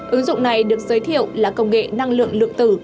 ứng dụng này được giới thiệu là công nghệ năng lượng lượng tử